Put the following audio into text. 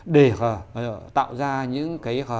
để tạo ra những